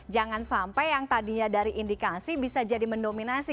jangan sampai yang tadinya dari indikasi bisa jadi mendominasi